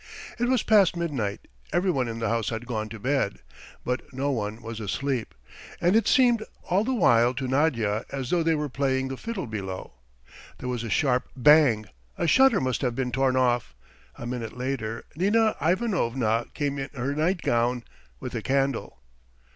It was past midnight; everyone in the house had gone to bed, but no one was asleep, and it seemed all the while to Nadya as though they were playing the fiddle below. There was a sharp bang; a shutter must have been torn off. A minute later Nina Ivanovna came in in her nightgown, with a candle.